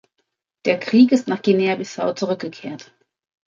Der Krieg ist nach Guinea-Bissau zurückgekehrt.